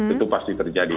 itu pasti terjadi